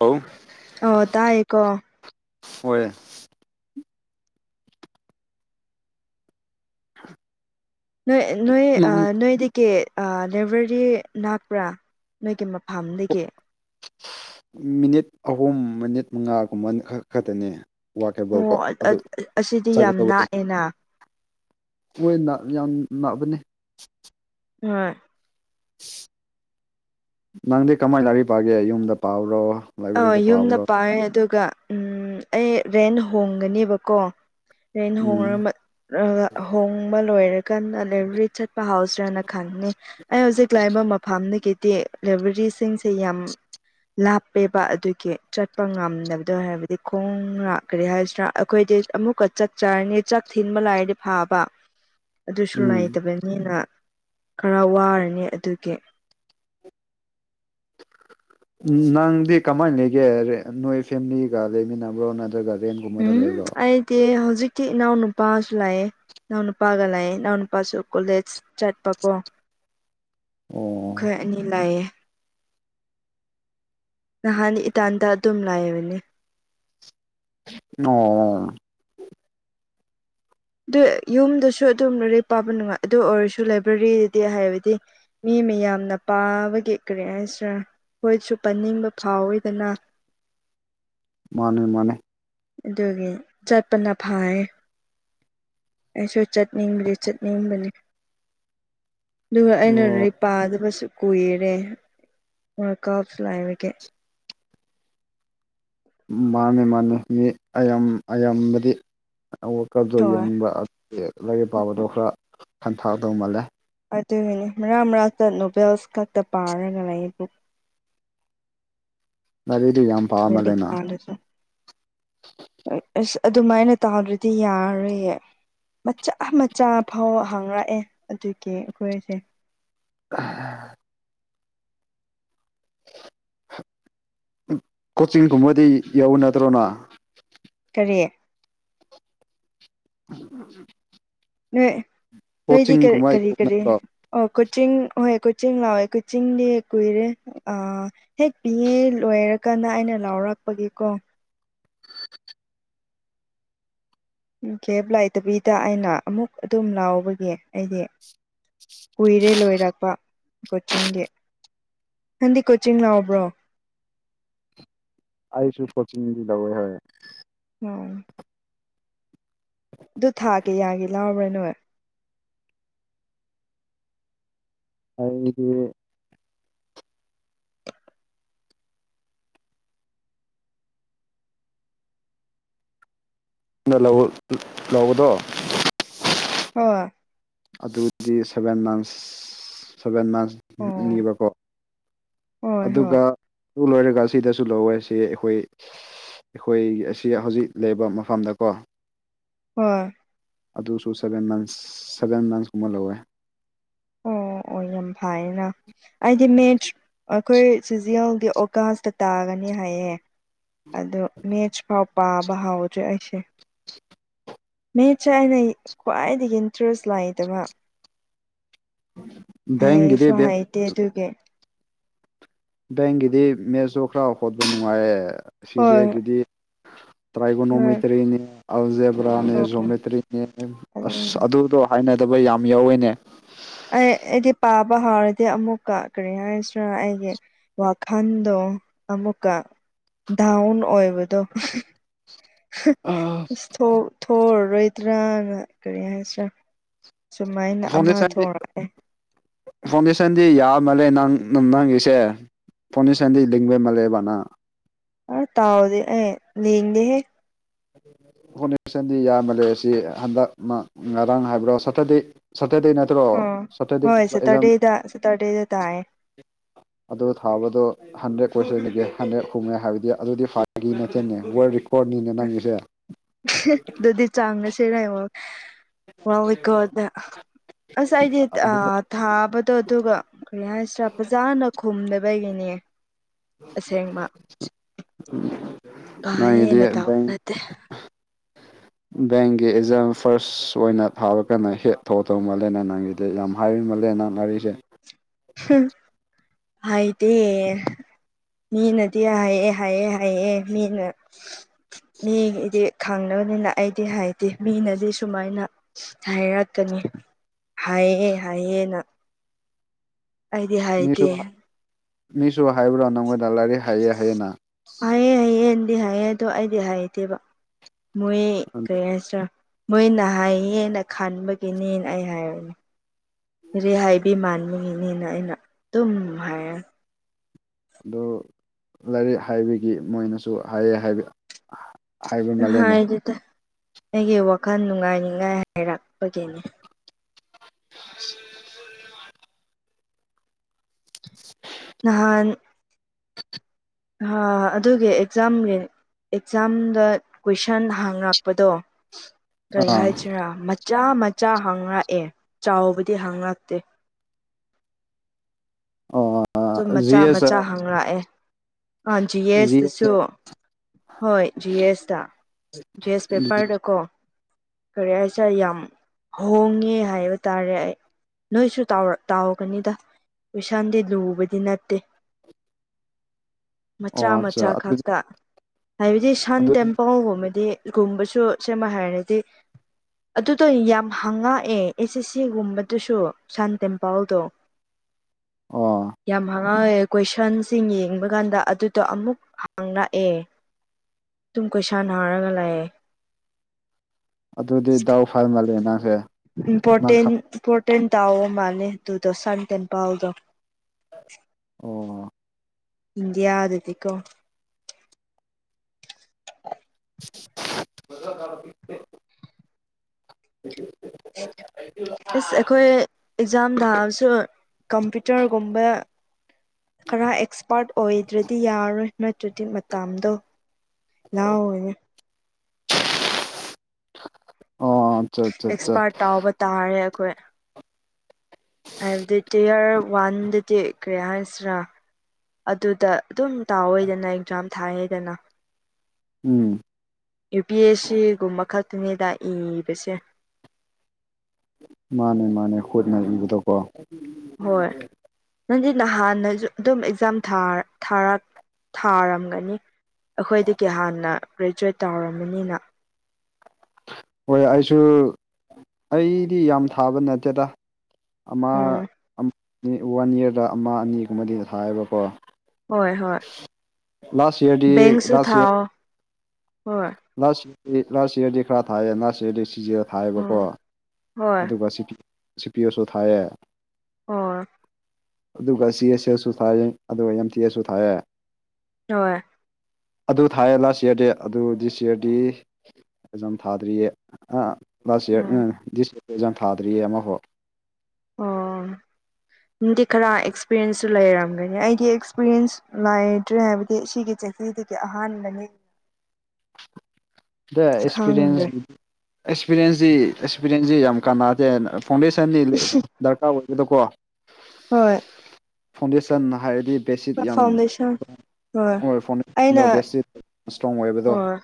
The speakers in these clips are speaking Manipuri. ꯑꯧ ꯑꯣ ꯇꯑꯀꯣ ꯑꯣꯏꯣꯏꯦ ꯅꯣꯏ ꯅꯣꯏ ꯑ ꯅꯪ ꯅꯣꯏ ꯀꯦ ꯂꯦꯕꯔꯤ ꯥꯛꯄ꯭ꯔꯥ ꯅꯣꯏꯒꯤ ꯃꯐꯝꯥꯐꯝꯗꯒꯤ ꯃꯤꯅꯤꯠ ꯑꯍꯨꯝ ꯃꯤꯅꯤꯠ ꯃꯉꯥꯒꯨꯝꯕ ꯈꯛ ꯈꯛꯇꯅꯦ ꯋꯥ ꯀꯦꯕꯧ ꯀꯣ ꯑꯣ ꯑꯗꯨ ꯑꯁꯤꯗꯤ ꯆ ꯌꯥꯝ ꯅꯥꯛꯑꯦꯅ ꯃꯣꯏꯅ ꯌꯥꯝ ꯅꯥꯕꯅꯤ ꯎꯝ ꯅꯪꯗꯤ ꯀꯃꯥꯏ ꯂꯥꯛꯔꯤ ꯄꯥꯒꯦ ꯌꯨꯝꯗ ꯄꯥꯔꯣ ꯑ ꯌꯨꯝꯗ ꯄꯥꯦ ꯑꯗꯨꯒ ꯎꯝ ꯑꯩ ꯔꯦꯟ ꯍꯣꯡꯒꯅꯦꯕꯀꯣ ꯑꯩꯅ ꯎꯝ ꯍꯣꯡꯉꯔꯝꯕ ꯍꯣꯡꯕ ꯂꯣꯏꯔꯀꯥꯟꯗ ꯂꯦꯕꯔꯤ ꯆꯠꯄ ꯍꯥꯎꯁ꯭ꯔꯅ ꯈꯪꯅꯤ ꯑꯩ ꯍꯧꯖꯤꯛ ꯂꯥꯛꯏꯕ ꯃꯐꯝꯗꯒꯤꯗꯤ ꯂꯥꯏꯕ꯭ꯔꯦꯔꯤꯁꯤꯡꯁꯦ ꯌꯥꯝ ꯂꯥꯞ ꯄꯦꯕ ꯑꯗꯨꯒꯤ ꯆꯠꯄ ꯉꯝꯗꯕꯗꯣ ꯍꯥꯏꯔꯕꯗꯤ ꯈꯣꯡꯅ ꯀꯔꯤ ꯍꯥꯏꯁꯤꯅ ꯑꯩꯈꯣꯏꯗꯤ ꯑꯃꯨꯛꯀ ꯆꯥꯛ ꯆꯔꯅꯤ ꯆꯥꯛ ꯊꯤꯟꯕ ꯂꯥꯏꯔꯗꯤ ꯐꯥꯕ ꯑꯗꯨꯁꯨ ꯎꯝ ꯅꯥꯏꯇꯕꯅꯤꯅ ꯈꯔ ꯋꯥꯔꯅꯤ ꯑꯗꯨꯒꯤ ꯅꯪꯗꯤ ꯀꯃꯥꯏꯅ ꯂꯩꯒꯦ ꯅꯣꯏ ꯐꯦꯃꯤꯂꯤꯒ ꯂꯩꯃꯤꯟꯅꯕ꯭ꯔꯣ ꯅꯠꯇ꯭ꯔꯒꯗꯤ ꯎꯝ ꯑꯩꯗꯤ ꯍꯧꯖꯤꯛꯇꯤ ꯏꯅꯥꯎ ꯅꯨꯨꯄꯥꯁꯨ ꯂꯥꯛꯑꯦ ꯢꯅꯧ ꯅꯨꯄꯥꯒ ꯂꯩ ꯢꯅꯧ ꯅꯨꯄꯥꯁꯨ ꯀꯣꯂꯦꯖ ꯆꯠꯄꯀꯣ ꯑꯣ ꯑꯩꯈꯣꯢ ꯑꯅꯤ ꯂꯩꯑꯦ ꯅꯍꯥꯟ ꯏꯇꯥꯟꯇ ꯑꯗꯨꯝ ꯂꯩꯕꯅꯦ ꯑꯣ ꯑꯗꯨ ꯌꯨꯝꯗꯁꯨ ꯑꯗꯨꯝ ꯂꯥꯢꯔꯤꯛ ꯄꯥꯕ ꯅꯨꯡꯉꯥꯏ ꯑꯗꯨ ꯑꯣꯏꯔꯁꯨ ꯂꯥꯏꯕ꯭ꯔꯦꯔꯤꯗꯤ ꯍꯥꯏꯕꯗꯤ ꯃꯤ ꯃꯌꯥꯝꯅ ꯄꯥꯕꯒꯤ ꯀꯔꯤ ꯍꯥꯢꯁꯤꯔ ꯈꯣꯏꯁꯨ ꯄꯥꯅꯤꯡꯕ ꯐꯥꯎꯋꯤꯗꯅ ꯃꯥꯅꯦ ꯃꯥꯅꯦ ꯑꯗꯨꯒꯤ ꯆꯠꯄꯅ ꯐꯥꯏ ꯑꯩꯁꯨ ꯆꯠꯅꯤꯡꯕꯗꯤ ꯆꯠꯅꯤꯡꯕꯅꯤ ꯑꯗꯨꯒ ꯑꯣ ꯑꯩꯅ ꯂꯔꯤ ꯄꯥꯗꯕꯁꯨ ꯀꯨꯏꯔꯦ ꯀꯞꯁꯨ ꯂꯥꯏꯕꯒꯦ ꯃꯥꯅꯦ ꯃꯥꯅꯦ ꯃꯤ ꯑꯌꯥꯝ ꯑꯌꯥꯝꯕꯗꯤ ꯋꯥꯀꯞꯗꯣ ꯍꯣꯏ ꯌꯦꯡꯕ ꯂꯥꯏꯔꯤꯛ ꯄꯥꯕꯗꯣ ꯈꯔ ꯈꯟꯊꯥꯛꯗꯧ ꯃꯥꯜꯂꯦ ꯑꯗꯨꯒꯤꯅꯤ ꯃꯔꯛ ꯃꯔꯛꯇ ꯅꯣꯚꯦꯜꯁ ꯈꯛꯇ ꯄꯥꯔꯒ ꯂꯩ ꯕꯨꯛ ꯃꯗꯨꯗꯤ ꯌꯥꯝ ꯔꯤ ꯄꯥꯝꯃꯜꯂꯦꯅ ꯀꯥꯂꯁ [inaudible] ꯑꯁ ꯑꯗꯨꯃꯥꯏꯅ ꯇꯥꯗ꯭ꯔꯗꯤ ꯌꯥꯔꯔꯣꯏꯌꯦ ꯃꯆꯥ ꯃꯆꯥ ꯐꯥꯎ ꯍꯥꯡꯉꯛꯑꯦ ꯑꯗꯨꯒꯤ ꯑꯩꯈꯣꯏꯁꯦ ꯑ [inaudible] ꯀꯣꯆꯤꯡꯒꯨꯝꯕꯗꯤ ꯌꯥꯎꯕ ꯅꯠꯇ꯭ꯔꯣ ꯅꯪ ꯀꯔꯤ ꯎ [inaudible] ꯅꯣꯏ ꯅꯣꯏꯗꯤ ꯀꯔꯤ ꯀꯔꯤ ꯌꯧꯅꯗ꯭ꯔꯣ ꯑꯣ ꯀꯣꯆꯤꯡ ꯍꯣꯏ ꯀꯣꯆꯤꯡ ꯂꯧꯋꯦ ꯀꯣꯆꯤꯡꯗꯤ ꯀꯨꯏꯔꯦ ꯑꯥ ꯍꯦꯛ ꯄꯤꯌꯦ ꯂꯣꯏꯔꯀꯥꯟꯗ ꯑꯩꯅ ꯂꯥꯎꯔꯛꯄꯒꯤꯀꯣ ꯀꯦꯕ ꯂꯩꯇꯕꯤꯗ ꯑꯩꯅ ꯑꯃꯨꯛ ꯑꯗꯨꯝ ꯂꯥꯎꯕꯒꯤ ꯑꯩꯗꯤ ꯀꯨꯏꯔꯦ ꯂꯣꯏꯔꯛꯄ ꯀꯣꯆꯤꯡꯒꯤ ꯅꯪꯗꯤ ꯀꯣꯆꯤꯡ ꯂꯥꯎꯕ꯭ꯔꯣ ꯑꯩꯁꯨ ꯀꯣꯆꯤꯡꯗꯤ ꯂꯧꯌꯦ ꯍꯣꯢ ꯑꯣ [inaudible] ꯑꯗꯨ ꯊꯥ ꯀꯌꯥꯒꯤ ꯂꯥꯎꯕ꯭ꯔꯥ ꯅꯣꯏ ꯑꯩꯗꯤ ꯂꯧꯕꯗꯣ ꯍꯣꯢ ꯑꯗꯨꯗꯤ ꯁꯦꯚꯦꯟ ꯃꯟꯁ ꯁꯦꯚꯦꯟ ꯃꯟꯁ ꯑꯣ ꯅꯤꯕꯀꯣ ꯍꯣꯏ ꯍꯣꯏ ꯑꯗꯨꯒ ꯑꯗꯨ ꯂꯣꯏꯔꯒ ꯁꯤꯗꯁꯨ ꯂꯧꯋꯦ ꯁꯤ ꯑꯩꯈꯣꯏ ꯑꯩꯈꯣꯏ ꯑꯁꯤ ꯍꯧꯖꯤꯛ ꯂꯩꯕ ꯃꯐꯝꯗꯀꯣ ꯍꯣꯏ ꯑꯗꯨꯁꯨ ꯁꯕꯦꯟ ꯃꯟꯁ ꯁꯕꯦꯟ ꯃꯟꯁꯀꯨꯝꯕ ꯂꯧꯋꯦ ꯑꯣ ꯑꯣ ꯌꯥꯝ ꯐꯥꯏꯌꯦꯅ ꯑꯩꯗꯤ ꯃꯦꯠ ꯑꯩꯈꯣꯏ ꯁꯤꯖꯤꯌꯦꯟꯒꯤ ꯑꯣꯀꯥꯁꯇ ꯇꯥꯒꯅꯤ ꯍꯥꯏꯌꯦ ꯑꯗꯣ ꯃꯦꯠꯆ ꯐꯥꯎ ꯄꯥꯕ ꯍꯧꯎꯗ꯭ꯔꯤ ꯑꯩꯁꯦ ꯃꯦꯠꯁꯦ ꯑꯩꯅ ꯈ꯭ꯋꯥꯏꯗꯒꯤ ꯏꯟꯇꯔꯦꯁ ꯂꯩꯇꯕ ꯕꯦꯡꯒꯤꯗꯤ ꯍꯩꯁꯨ ꯍꯩꯇꯦ ꯑꯗꯨꯒꯤ ꯕꯦꯡꯒꯤꯗꯤ ꯃꯦꯠꯁꯇꯣ ꯈꯔ ꯍꯣꯠꯄ ꯅꯨꯡꯉꯥꯏꯌꯦ ꯍꯣꯏ ꯁꯤꯁꯦꯌꯦꯟꯒꯤꯗꯤ ꯈꯔ ꯇ꯭ꯔꯥꯏꯒꯣꯅꯣꯃꯤꯇ꯭ꯔꯤꯅꯦ ꯑꯜꯖꯦꯕ꯭ꯔꯥꯅꯦ ꯖꯣꯃꯦꯇ꯭ꯔꯤꯅꯦ ꯑꯁ ꯑꯗꯨꯝ ꯑꯗꯨꯗꯣ ꯍꯥꯏꯅ ꯍꯩꯇꯕ ꯌꯥꯝ ꯌꯥꯎꯋꯦꯅꯦ ꯑꯩ ꯑꯩꯗꯤ ꯄꯥꯕ ꯍꯥꯎꯔꯗꯤ ꯑꯃꯨꯛꯀ ꯀꯔꯤ ꯍꯥꯏꯁꯤꯔ ꯑꯩꯒꯤ ꯋꯥꯈꯜꯗꯣ ꯑꯃꯨꯛꯀ ꯗꯥꯎꯟ ꯑꯣꯏꯕꯗꯣ ꯑꯁ ꯊꯣꯛꯑꯗ꯭ꯔꯥꯅ ꯀꯔꯤ ꯍꯥꯏꯁꯤꯔꯥ ꯁꯨꯃꯥꯏꯅ ꯑꯃ ꯐꯥꯎꯟꯗꯦꯁꯟꯗꯤ ꯊꯣꯛꯂꯛꯑꯦ ꯐꯥꯎꯟꯗꯦꯁꯟꯗꯤ ꯌꯥꯝ ꯃꯥꯜꯂꯦ ꯅꯪ ꯅꯪꯒꯤꯁꯦ ꯐꯥꯎꯟꯗꯦꯁꯟꯗꯤ ꯂꯤꯡꯕ ꯃꯥꯜꯂꯦꯕ ꯅꯪ ꯑꯥꯁ ꯇꯥꯎꯗꯤ ꯑꯩ ꯂꯤꯡꯗꯦ [inaudible] ꯍꯣꯠꯅꯔꯁꯟꯗꯤ ꯌꯥꯝꯃ ꯂꯩ ꯑꯁꯤ ꯍꯟꯗꯛ ꯉꯔꯥꯡ ꯍꯥꯏꯕ꯭ꯔꯣ ꯁꯇꯔꯗꯦ ꯁꯇꯗꯦꯅꯦ ꯑꯣ ꯍꯣꯏ ꯁꯇꯔꯗꯦꯗ ꯁꯦꯇꯔꯗꯦꯗ ꯇꯥꯏꯌꯦ ꯑꯗꯨ ꯊꯥꯕꯗꯣ ꯍꯟꯗ꯭ꯔꯦꯗ ꯀꯣꯏꯁꯟꯒꯤꯗꯤ ꯍꯟꯗ꯭ꯔꯦꯗ [unintelligible] ꯍꯥꯏꯕꯗꯤ ꯑꯗꯨꯗꯤ ꯐꯥꯒꯤ ꯅꯠꯇꯦꯅꯦ [unintelligible] ꯍꯣꯔꯠꯅꯤꯅ ꯅꯪꯑꯤ [inaudible] ꯑꯗꯨꯗꯤ ꯆꯥꯡꯉꯁꯦꯔ ꯌꯦꯡꯉꯣ ꯋꯥꯎꯏꯀꯣ ꯑꯗ ꯑꯁ ꯑꯩꯗꯤ ꯑ ꯑꯗꯨ ꯊꯥꯕꯗꯣ ꯑꯗꯨꯒ ꯀꯩ ꯍꯥꯏꯁꯤꯔꯥ ꯐꯖꯥꯅ ꯈꯨꯝꯗꯕꯒꯤꯅꯦ ꯑꯁꯦꯡꯕ [unintelligible] ꯅꯪꯒꯤꯗꯤ ꯌꯦꯦꯅ ꯕꯦꯡ ꯇꯥꯎꯂꯠꯇꯦ ꯕꯦꯡꯒꯤ ꯑꯦꯛꯖꯥꯝ ꯐꯥꯔꯁ ꯑꯣꯏꯅ ꯊꯥꯕ ꯀꯥꯟꯟꯅ ꯍꯦꯠ ꯊꯧ ꯊꯧ ꯃꯥꯜꯂꯦꯅ ꯅꯪꯒꯤꯗ ꯑꯗ ꯌꯥꯝ ꯍꯥꯏꯨ ꯃꯥꯜꯂꯦ ꯅꯅꯥꯪ ꯉꯔꯤꯁꯦ ꯍꯥꯏꯗꯤ ꯃꯤꯅꯗꯤ ꯍꯥꯏꯑꯦ ꯍꯥꯏꯑꯦ ꯍꯥꯏꯑꯦ ꯃꯤꯅ ꯃꯤꯒꯤꯗꯤ ꯈꯪꯅꯕꯅꯤꯅ ꯑꯩꯗꯤ ꯍꯥꯏꯗꯦ ꯃꯤꯅꯗꯤ ꯁꯨꯃꯥꯏꯅ ꯍꯥꯏꯔꯛꯀꯅꯤ ꯍꯥꯏꯌꯦꯑꯌꯦꯦ ꯍꯥꯏꯌꯦ ꯅ ꯃꯤꯁꯨ ꯃꯤꯁꯨ ꯍꯥꯏꯕ꯭ꯔꯣ ꯅꯪꯉꯣꯟꯗꯂꯥꯏꯔꯤ ꯍꯥꯏꯌꯦꯦ ꯍꯥꯏꯌꯦꯅ ꯍꯥꯏꯌꯦ ꯍꯌꯦꯟꯗꯤ ꯍꯥꯏꯌꯦ ꯑꯗꯣ ꯑꯩꯗꯤ ꯍꯥꯏꯇꯦꯕ ꯃꯣꯏ ꯑꯗꯨ ꯀꯩ ꯍꯥꯏꯁꯤꯔꯥ ꯃꯣꯏꯅ ꯍꯥꯏꯌꯦꯅ ꯈꯟꯕꯒꯤꯅꯦ ꯑꯩ ꯍꯥꯏꯔꯨꯅꯨ [unintelligible] ꯍꯥꯏꯕꯤ ꯃꯥꯟꯕꯒꯤꯅꯦꯅ ꯑꯩꯅ ꯑꯗꯨꯝ ꯍꯥꯏꯌꯦ ꯑꯗꯨ ꯂꯥꯏꯔꯤꯛ ꯍꯥꯏꯕꯒꯤ ꯃꯣꯏꯅꯁꯨ ꯍꯥꯏꯌꯦ ꯍꯥꯏꯕ ꯍꯥꯏꯕ ꯃꯥꯜꯂꯦꯅꯦ ꯍꯥꯏꯗꯦꯗ ꯑꯩꯒꯤ ꯋꯥꯈꯜ ꯅꯨꯡꯉꯥꯏꯅꯤꯉꯥꯏ ꯍꯥꯏꯔꯛꯄꯒꯤꯅꯦ [inaudible] ꯅꯍꯥꯟ ꯑꯍ ꯑꯗꯨꯒꯤ ꯑꯦꯛꯖꯥꯝꯒꯤ ꯑꯦꯛꯖꯥꯝꯗ ꯀꯣꯏꯁꯟ ꯍꯪꯔꯛꯄꯗꯣ ꯀꯔꯤ ꯑꯥ ꯍꯥꯏꯁꯤꯔꯥ ꯃꯆꯥ ꯃꯆꯥ ꯍꯪꯉꯛꯑꯦ ꯆꯥꯎꯕꯗꯤ ꯍꯪꯉꯛꯇꯦ ꯑꯣ ꯑꯗꯨꯝ ꯖꯤ ꯃꯆꯥ ꯑꯦꯁ ꯃꯆꯥ ꯍꯪꯛꯑꯦ ꯑ ꯖꯤ ꯑꯦꯁꯇꯁꯨ ꯍꯣꯏ ꯖꯤ ꯑꯦꯁꯇ ꯖꯤ ꯑꯦꯁ ꯄꯦꯄꯔꯗ ꯀꯣ ꯀꯔꯤ ꯍꯥꯏꯁꯤꯔ ꯌꯥꯝ ꯍꯣꯡꯉꯦ ꯍꯥꯏꯕ ꯇꯥꯔꯦ ꯑꯩ ꯅꯣꯏꯁꯨ ꯇꯥꯎꯔꯛ ꯇꯥꯎꯒꯅꯤꯗ ꯀꯣꯏꯁꯟꯗꯤ ꯂꯨꯕꯗꯤ ꯅꯠꯇꯦ ꯑꯣ ꯃꯆꯥ ꯑꯠꯆꯥ ꯃꯆꯥ ꯑꯗꯨꯗꯤ ꯈꯛꯇ ꯍꯥꯏꯕꯗꯤ ꯁꯟ ꯑꯗꯨꯗꯤ ꯇꯦꯝꯄꯜꯒꯨꯝꯕꯗꯤ ꯒꯨꯝꯕꯁꯨ ꯁꯦꯝꯃ ꯍꯥꯏꯔꯗꯤ ꯑꯗꯨꯗꯣ ꯌꯥꯝ ꯍꯪꯉꯛꯑꯦ ꯑꯦꯁ ꯑꯦꯁ ꯁꯤꯒꯨꯝꯕꯗꯨꯁꯨ ꯁꯟ ꯇꯦꯝꯄꯜꯗꯨ ꯑꯣ ꯌꯥꯝ ꯍꯪꯉꯛꯉꯦ ꯀꯣꯏꯁꯟꯁꯤꯡ ꯌꯦꯡꯕ ꯀꯥꯟꯗ ꯑꯗꯨꯗ ꯑꯃꯨꯛ ꯍꯪꯔꯛꯑꯦ ꯑꯗꯨꯨꯝ ꯀꯣꯏꯁꯟ ꯍꯪꯔꯒ ꯂꯩꯌꯦ ꯑꯗꯨꯗꯤ ꯗꯥꯎ ꯐꯜ ꯃꯜꯂꯦ ꯅꯪꯁꯦ ꯅꯪ ꯏꯝꯄꯣꯔꯇꯦꯟ ꯏꯝꯄꯣꯔꯇꯦꯟ ꯇꯥꯎꯕ ꯃꯥꯜꯂꯦ ꯑꯗꯨꯗꯣ ꯁꯟ ꯇꯦꯝꯄꯜꯗꯣ ꯑꯣ ꯏꯟꯗꯤꯌꯥ ꯑꯗꯨꯗꯤꯀꯣ [unintelligible] [unintelligible] ꯏꯁ ꯑꯩꯈꯣꯏ ꯑꯦꯛꯖꯥꯝ ꯊꯥꯕꯁꯨ ꯀꯝꯄ꯭ꯌꯨꯇꯔꯒꯨꯝꯕ ꯈꯔ ꯑꯦꯛꯁꯄꯥꯔꯠ ꯑꯣꯏꯗ꯭ꯔꯗꯤ ꯌꯥꯔꯣꯏ ꯅꯠꯇ꯭ꯔꯗꯤ ꯃꯇꯝꯗꯣ ꯂꯥꯛꯑꯣꯅꯦ ꯑ ꯑꯦꯛꯁꯄꯥꯔꯠ ꯇꯥꯎꯕ ꯇꯥꯔꯦ ꯑꯈꯣꯏ ꯍꯥꯏꯕꯗꯤ ꯇꯤꯌꯔ ꯋꯥꯟꯗꯗꯤ ꯀꯔꯤ ꯍꯥꯏꯁꯤꯔꯥ ꯑꯗꯨꯗ ꯑꯗꯨꯝ ꯇꯥꯎꯋꯦꯗꯅ ꯑꯦꯛꯖꯥꯝ ꯊꯥꯏꯌꯦꯗꯅ ꯎꯝ ꯌꯨ ꯄꯤ ꯑꯦꯁ ꯁꯤꯒꯨꯝꯕ ꯈꯔ ꯊꯦꯡꯅꯌꯦꯗꯥꯏ ꯏꯕꯁꯦ ꯃꯥꯅꯦ ꯃꯥꯅꯦ ꯈꯨꯣꯠꯅ ꯏꯕꯗꯣꯀꯣ ꯍꯣꯏ ꯅꯪꯗꯤ ꯅꯍꯥꯟ ꯑꯗꯨꯝ ꯑꯦꯛꯖꯥꯝꯥ ꯊꯥꯔꯝꯒꯅꯤ ꯑꯩꯈꯣꯏꯗꯒꯤ ꯍꯥꯟꯅ ꯒ꯭ꯔꯦꯖꯨꯋꯦꯠ ꯇꯧꯔꯝꯕꯅꯤꯅ ꯍꯣꯏ ꯑꯩꯁꯨ ꯑꯩꯗꯤ ꯌꯥꯝ ꯊꯥꯕ ꯅꯠꯇꯦꯗ ꯑꯃ ꯎꯝ ꯋꯥꯟ ꯏꯌꯥꯔꯗ ꯑꯃ ꯑꯅꯤꯒꯨꯝꯕꯗꯤ ꯊꯥꯏꯕꯀꯣ ꯍꯣꯏ ꯍꯣꯏ ꯂꯥꯁ ꯌꯔꯗꯤ ꯕꯦꯡꯁꯨ ꯂꯥꯁ ꯌꯔ ꯊꯥꯎ ꯍꯣꯏ ꯂꯥꯁ ꯏꯌꯔꯗꯤ ꯂꯥꯁ ꯏꯌꯔꯗꯤ ꯈꯔ ꯊꯥꯏꯌꯦ ꯂꯥꯁ ꯏꯌꯔꯗꯤ ꯁꯤ ꯖ ꯊꯥꯏꯌꯦꯕꯀꯣ ꯎꯝ ꯍꯣꯏ ꯑꯗꯨꯒ ꯁꯤ ꯄꯤ ꯁꯤ ꯄꯤ ꯌꯦꯁ ꯁꯨ ꯊꯥꯏꯌꯦ ꯑꯣ ꯑꯗꯨꯒ ꯁꯤ ꯑꯦꯁ ꯑꯦꯁ ꯁꯨ ꯊꯥꯏꯌꯦ ꯑꯗꯨꯒ ꯑꯦꯝ ꯇꯤ ꯑꯦꯁ ꯁꯨ ꯊꯥꯏꯌꯦ ꯍꯣꯏ ꯑꯗꯨ ꯊꯥꯏꯌꯦ ꯂꯥꯁ ꯏꯌꯔꯗꯤ ꯑꯗꯨ ꯗꯤꯁ ꯏꯌꯔꯗꯤ ꯑꯦꯛꯖꯥꯝ ꯊꯥꯗ꯭ꯔꯤꯌꯦ ꯑ ꯂꯥꯁ ꯏꯌꯔ ꯎꯝ ꯗꯤꯁ ꯏꯌꯔ ꯑꯦꯛꯖꯝ ꯊꯥꯗ꯭ꯔꯤꯌꯦ ꯑꯃꯕꯨꯛ ꯑꯣ ꯑꯗꯨꯗꯤ ꯈꯔ ꯑꯦꯛꯁꯄꯤꯔꯤꯌꯦꯟꯁꯁꯨ ꯂꯩꯔꯝꯒꯅꯤ ꯑꯩꯗꯤ ꯑꯦꯛꯁꯄꯤꯔꯤꯌꯦꯟꯁ ꯅꯥꯏꯗ꯭ꯔꯦ ꯍꯥꯏꯕꯗꯤ ꯁꯤꯒꯤ ꯆꯍꯤꯗꯨꯗꯤ ꯑꯍꯥꯟꯕꯅꯤ ꯗ ꯈꯪꯗ꯭ꯔꯦ ꯑꯦꯛꯁꯄꯤꯔꯤꯌꯦꯟꯁ ꯑꯦꯛꯁꯄꯤꯔꯤꯌꯦꯟꯁꯖꯤ ꯑꯦꯛꯁꯄꯤꯔꯌꯦꯟꯁꯖꯤ ꯌꯥꯝ ꯀꯥꯟꯅꯗꯦ ꯐꯥꯎꯟꯗꯦꯁꯟꯗꯤ ꯗꯔꯀꯥꯔ ꯑꯣꯏꯗꯦꯗꯀꯣ ꯍꯣꯏ ꯐꯥꯎꯟꯗꯦꯁꯟ ꯍꯥꯏꯔꯗꯤ ꯕꯦꯠꯁꯤꯠ ꯌꯥꯝ ꯐꯥꯎꯟꯗꯦꯁꯟ ꯍꯣꯏ ꯑꯣꯏ ꯐꯥꯎꯟꯗꯦꯁꯟꯗꯣ ꯕꯦꯠꯁꯤꯠ ꯏꯁꯇ꯭ꯔꯣꯡ ꯑꯣꯏꯕ ꯑꯣ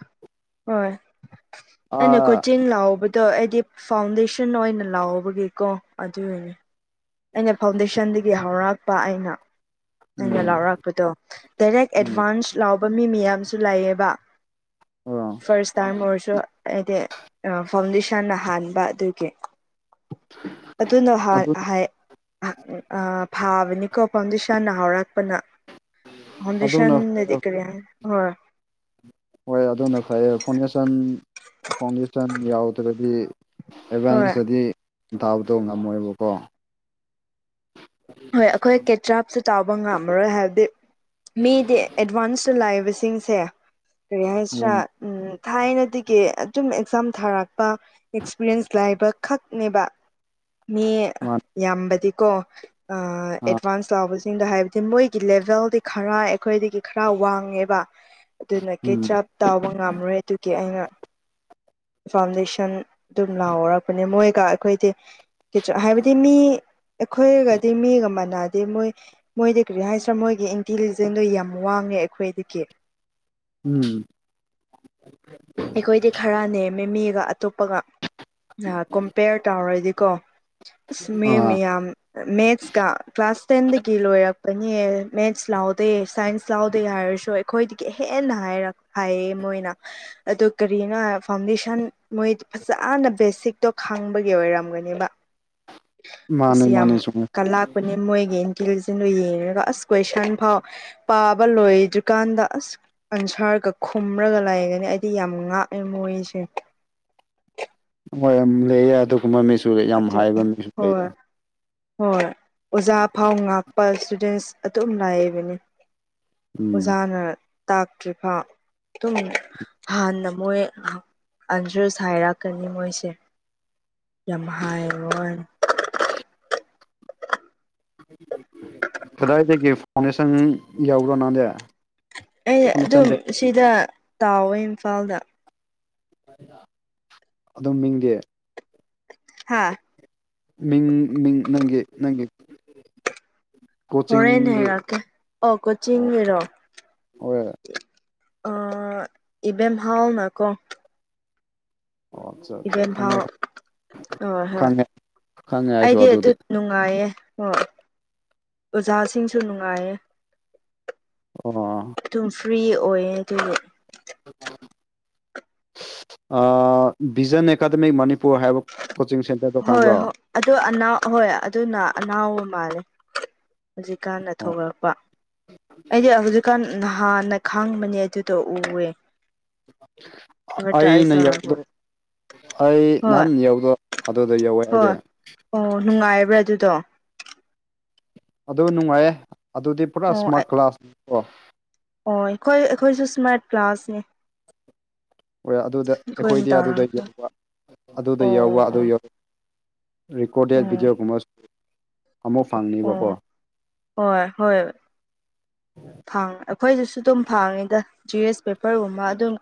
ꯍꯣꯏ ꯑꯩꯅ ꯑꯥ ꯀꯣꯆꯤꯟ ꯂꯥꯎꯕ ꯗꯣ ꯑꯩꯗꯤ ꯐꯥꯎꯟꯗꯦꯁꯟ ꯑꯣꯏꯅ ꯂꯥꯎꯕꯒꯤꯀꯣ ꯑꯗꯨꯒꯤꯅꯤ ꯑꯩꯅ ꯐꯥꯎꯟꯗꯦꯁꯟꯗꯒꯤ ꯍꯧꯔꯛꯄ ꯑꯩꯅ ꯅꯪꯅ ꯎꯝ ꯂꯥꯎꯔꯛ ꯄꯗꯣ ꯗꯥꯏꯔꯦꯛ ꯎꯝ ꯑꯦꯗꯚꯥꯟꯁ ꯂꯥꯎꯕ ꯃꯤ ꯃꯌꯥꯝꯁꯨ ꯂꯩꯥꯌꯦꯕ ꯑꯥ ꯐꯔꯁ ꯇꯥꯌꯝ ꯑꫭꯏꯔꯁꯨ ꯑꯩꯗꯤ ꯐꯥꯎꯟꯗꯦ ꯏꯁꯥꯅ ꯍꯥꯟꯕ ꯑꯗꯨꯒꯤ ꯑꯗꯨꯅ ꯍꯥꯏ ꯑꯗꯨ ꯍꯥꯏ ꯑ ꯐꯥꯕꯅꯤꯀꯣ ꯐꯥꯎꯟꯗꯦꯁꯟꯅ ꯍꯧꯔꯛꯄꯅ ꯑꯗꯨꯅ ꯐꯥꯎꯟꯗꯦꯁꯟꯗꯗꯤ ꯀꯔꯤ ꯍꯥꯏꯅꯤ ꯍꯣꯏ ꯍꯣꯏ ꯑꯗꯨꯅ ꯐꯩꯌꯦ ꯐꯥꯎꯟꯗꯦꯁꯟ ꯐꯥꯎꯟꯗꯦꯁꯟ ꯌꯥꯎꯗ꯭ꯔꯒꯗꯤ ꯍꯣꯏ ꯑꯦꯠꯚꯥꯟꯁꯇꯗꯤ ꯊꯥꯕꯗꯣ ꯉꯝꯃꯣꯏꯕꯀꯣ ꯍꯣꯏ ꯑꯩꯈꯣꯏ ꯀꯦꯇ꯭ꯔꯥꯞꯁꯨ ꯆꯥꯎꯕ ꯉꯝꯃꯔꯣꯏ ꯍꯥꯏꯕꯗꯤ ꯃꯤꯗꯤ ꯑꯦꯠꯚꯥꯟꯁ ꯇ ꯂꯥꯛꯏꯕꯁꯤꯡꯁꯦ ꯀꯔꯤ ꯍꯥꯏꯁꯤꯔꯥ ꯎꯝ ꯊꯥꯏꯅꯗꯒꯤ ꯑꯗꯨꯝ ꯑꯦꯛꯖꯥꯝ ꯊꯥꯔꯛꯄ ꯑꯦꯛꯁꯄꯤꯔꯤꯌꯦꯟꯁ ꯂꯩꯕ ꯈꯛꯅꯦꯕ ꯃꯤ ꯃꯥꯅꯦ ꯌꯥꯝꯕꯗꯤꯀꯣ ꯑ ꯑꯥ ꯑꯦꯠꯚꯥꯟꯁ ꯆꯥꯎꯕꯁꯤꯡꯗ ꯍꯥꯏꯕꯗꯤ ꯃꯣꯏꯒꯤ ꯂꯦꯚꯦꯜꯗꯩ ꯈꯔ ꯑꯩꯈꯣꯏꯗꯒꯤ ꯈꯔ ꯋꯥꯡꯉꯦꯕ ꯑꯗꯨꯅ ꯎꯝ ꯀꯦꯇꯔ꯭ꯞ ꯇꯧꯕ ꯉꯝꯔꯣꯏ ꯑꯗꯨꯒꯤ ꯑꯩꯅ ꯐꯥꯎꯟꯗꯦꯁꯟ ꯑꯗꯨꯝ ꯂꯥꯎꯔꯛꯄꯅꯦ ꯃꯣꯏꯒ ꯑꯩꯈꯣꯏꯗꯤ ꯀꯦꯆꯞ ꯍꯥꯏꯕꯗꯤ ꯃꯤ ꯑꯩꯈꯣꯏꯒꯗꯤ ꯃꯤꯒ ꯃꯥꯟꯅꯗꯦ ꯃꯣꯏ ꯃꯣꯏꯗꯤ ꯀꯔꯤ ꯍꯥꯏꯁꯤꯔꯥ ꯃꯣꯏꯒꯤ ꯏꯟꯇꯤꯂꯤꯖꯦꯟꯗꯣ ꯌꯥꯝ ꯋꯥꯡꯉꯦ ꯑꯩꯈꯣꯏꯗꯒꯤ ꯎꯝ ꯑꯩꯈꯣꯏꯗꯤ ꯈꯔꯅꯦꯝꯃꯦ ꯃꯃꯤꯒ ꯑꯇꯣꯞꯄꯒ ꯀꯝꯄꯦꯌꯔ ꯇꯧꯔꯗꯤꯀꯣ ꯏꯁ ꯃꯦ ꯑꯥ ꯃꯌꯥꯝ ꯃꯦꯁꯀ ꯀ꯭ꯂꯥꯁ ꯇꯦꯟꯗꯒꯤ ꯂꯣꯏꯔꯛꯄꯅꯦ ꯃꯦꯁ ꯂꯥꯎꯗꯦ ꯁꯥꯏꯟꯁ ꯂꯥꯎꯗꯦ ꯍꯥꯏꯔꯁꯨ ꯑꯩꯈꯣꯏꯗꯒꯤ ꯍꯦꯟꯅ ꯍꯥꯏꯔ ꯍꯥꯏꯌꯦ ꯃꯣꯏꯅ ꯑꯗꯨ ꯀꯔꯤꯅꯣ ꯍꯥꯏ ꯐꯥꯎꯟꯗꯦꯁꯟ ꯃꯣꯏ ꯐꯖꯅ ꯕꯦꯁꯤꯛꯇꯣ ꯈꯥꯡꯕꯒꯤ ꯑꯣꯏꯔꯝꯒꯅꯤꯕ ꯃꯥꯅꯦ ꯏꯁꯤ ꯌꯥꯝ ꯃꯥꯅꯦ ꯆꯨꯝꯃꯦ ꯀꯂꯥꯞ [unintelligible] ꯃꯣꯏꯒꯤ ꯏꯟꯇꯤꯂꯤꯖꯦꯟꯗꯣ ꯌꯦꯡꯔꯒ ꯑꯁ ꯀꯣꯏꯁꯟ ꯐꯥꯎ ꯄꯥꯕ ꯂꯣꯏꯗ꯭ꯔꯤꯀꯥꯟꯗ ꯑꯁ ꯑꯟꯁꯥꯔꯒ ꯈꯨꯝꯔꯒ ꯂꯩꯒꯅꯤ ꯑꯩ ꯗꯤ ꯌꯥꯝ ꯉꯥꯛꯑꯦ ꯃꯣꯏꯁꯦ ꯍꯣꯏ ꯌꯥꯝ ꯂꯩꯌꯦ ꯑꯗꯨꯒꯨꯝꯕ ꯃꯤꯁꯨ ꯂꯩ ꯌꯥꯝ ꯑꯗꯨ ꯍꯥꯏꯕ ꯃꯤꯁꯨ ꯂꯩꯌꯦ ꯍꯣꯏ ꯍꯣꯏ ꯑꯣꯖꯥ ꯐꯥꯎ ꯉꯛꯄ ꯏꯁ꯭ꯇꯨꯗꯦꯟꯁ ꯑꯗꯨꯝ ꯂꯩꯕꯅꯦ ꯎꯝ ꯑꯣꯖꯥꯅ ꯇꯥꯛꯇ꯭ꯔꯤꯐꯥꯎ ꯑꯗꯨꯝ ꯍꯥꯟꯅ ꯃꯣꯏ ꯑꯟꯁꯔꯁ ꯍꯥꯏꯔꯛꯀꯅꯤ ꯃꯣꯏꯁꯦ ꯌꯥꯝ ꯍꯥꯏꯕꯩꯋꯥꯅꯦ ꯀꯗꯥꯏꯗꯒꯤ ꯐꯥꯎꯟꯗꯦꯁꯟ ꯌꯥꯎꯗ ꯅꯪꯗꯤ ꯑꯩ ꯐꯥꯎꯟꯗꯦꯁꯟ ꯑꯗꯨꯝ ꯕꯦꯛ ꯁꯤꯗ ꯇꯥꯎꯋꯦ ꯏꯝꯐꯥꯜꯗ ꯑꯗꯣ ꯃꯤꯡꯗꯤ ꯍꯥꯥ ꯃꯤꯡ ꯃꯤꯡ ꯅꯪꯒꯤ ꯅꯪꯒꯤ ꯍꯣꯔꯦꯟꯅꯦ ꯀꯣꯆꯤꯡꯒꯤ ꯍꯥꯏꯔꯛꯀꯦ ꯑꯣ ꯀꯣꯆꯤꯡꯒꯤꯔꯣ ꯍꯣꯏ ꯑꯥ ꯏꯕꯦꯝ ꯍꯥꯎꯅꯀꯣ ꯑꯣ ꯑꯠꯆꯥ ꯑꯠꯆꯥ ꯏꯚꯦꯟ ꯈꯪꯉꯦ ꯍꯥꯎ ꯍꯣꯏ ꯍꯣꯏ ꯈꯪꯉꯦ ꯈꯪꯉꯦ ꯑꯩꯁꯨ ꯑꯩꯗꯤ ꯑꯗꯨ ꯑꯗꯨꯗꯤ ꯅꯨꯡꯉꯥꯏꯌꯦ ꯍꯣꯏ ꯑꯣꯖꯥꯁꯤꯡꯁꯨ ꯅꯨꯡꯉꯥꯏꯌꯦ ꯑꯣ ꯑꯗꯨꯝ ꯐ꯭ꯔꯤ ꯑꯣꯏꯌꯦ ꯑꯗꯨꯒ [inaudible] ꯕꯤꯖꯟ ꯑꯦꯀꯥꯗꯃꯤ ꯃꯅꯤꯄꯨꯔ ꯍꯥꯏꯕ ꯀꯣꯆꯤꯡ ꯁꯦꯟ ꯍꯣꯏ ꯍꯣꯏ ꯑꯗꯨ ꯑꯅꯥ ꯑꯍꯣꯏ ꯑꯗꯨꯅ ꯑꯅꯥꯎꯕ ꯃꯥꯜꯂꯦ ꯍꯧꯖꯤꯛꯀꯥꯟꯅ ꯑꯣ ꯊꯣꯛꯔꯛꯄ ꯑꯩꯗꯤ ꯍꯧꯖꯤꯛꯀꯥꯟ ꯅꯍꯥ ꯅꯍꯥꯟꯅ ꯈꯪꯕꯅꯦ ꯑꯗꯨꯗꯣ ꯎꯔꯦ ꯑꯩꯅ ꯇꯧꯔꯛꯄ ꯌꯥꯎꯕꯗꯣ ꯑꯩ ꯍꯣꯏ ꯅꯍꯥꯟ ꯌꯥꯎꯕ ꯑꯗꯨꯗ ꯌꯧꯋꯦ ꯑꯩꯗꯤ ꯍꯣꯏ ꯑꯣ ꯅꯨꯡꯉꯥꯏꯕ꯭ꯔꯥ ꯑꯗꯨꯗꯣ ꯑꯗꯨ ꯅꯨꯡꯉꯥꯏꯌꯦ ꯑꯗꯨꯗꯤ ꯄꯨꯔꯥ ꯁ꯭ꯃꯥꯔꯠ ꯀ꯭ꯂꯥꯁꯅꯤ ꯀꯣ ꯍꯣꯏ ꯑꯩꯈꯣꯏ ꯑꯩꯈꯣꯏꯁꯨ ꯁ꯭ꯃꯥꯔꯠ ꯀ꯭ꯂꯥꯁꯅꯦ ꯍꯣꯏ ꯑꯗꯨꯗ ꯑꯩꯈꯣꯏꯅ ꯑꯩꯈꯣꯏꯗꯤ ꯑꯗꯨꯗ ꯇꯧꯔꯒ ꯌꯧꯕ ꯑꯗꯨꯗ ꯌꯧꯕ ꯑꯣ ꯑꯗꯨ ꯑꯣ ꯌꯧ ꯔꯦꯀꯣꯔꯗꯦꯠ ꯑꯣ ꯚꯤꯗꯤꯑꯣꯒꯨꯝꯕ ꯑꯃꯨꯛ ꯐꯪꯅꯤꯕꯀꯣ ꯑꯣ ꯍꯣꯏ ꯍꯣꯏ ꯐꯥꯡ ꯑꯩꯈꯣꯏꯗꯁꯨ ꯑꯗꯨꯝ ꯐꯥꯡꯉꯤꯗ ꯖꯤ ꯑꯦꯁ ꯄꯦꯄꯔꯒꯨꯝꯕ ꯑꯗꯨꯝ